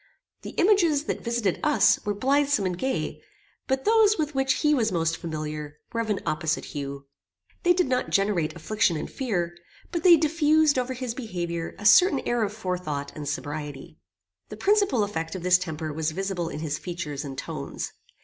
The images that visited us were blithsome and gay, but those with which he was most familiar were of an opposite hue. They did not generate affliction and fear, but they diffused over his behaviour a certain air of forethought and sobriety. The principal effect of this temper was visible in his features and tones.